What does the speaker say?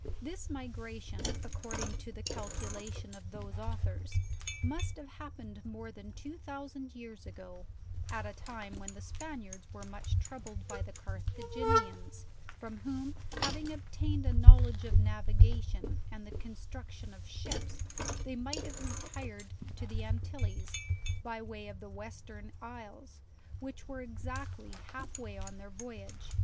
This migration, accord ing to the calculation of those authors, must have happened more than two thousand years ago, at a time when the Span iards were much troubled by the Carthaginians; from whom having obtained a knowledge of navigation and the construc tion of ships, they might have retired to the Antilles, by way of the western iles, which were exactly half way on their voyage.